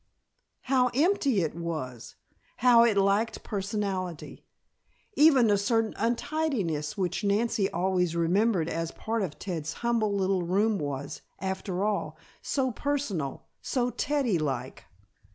How empty it was! How it lacked personality! Even a certain untidiness which Nancy always remembered as a part of Ted's humble little room was, after all, so personal, so Teddy like!